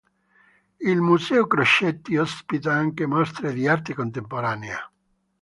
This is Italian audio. Il Museo Crocetti ospita anche mostre di arte contemporanea.